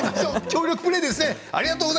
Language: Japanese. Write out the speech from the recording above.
協力プレーですね。